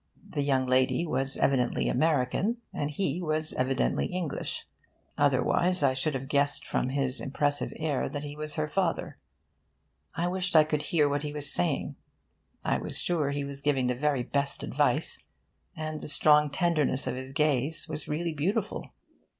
The young lady was evidently American, and he was evidently English; otherwise I should have guessed from his impressive air that he was her father. I wished I could hear what he was saying. I was sure he was giving the very best advice; and the strong tenderness of his gaze was really beautiful.